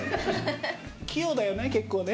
器用だよね結構ね。